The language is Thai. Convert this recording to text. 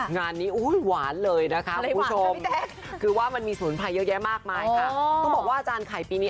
งานนี้หวานเลยนะคะคุณผู้ชมคือว่ามันมีสมุนไพรเยอะแยะมากมายค่ะต้องบอกว่าอาจารย์ไข่ปีนี้